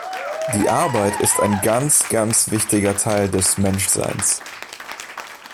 Die Arbeit ist ein ganz, ganz wichtiger Teil des Menschseins.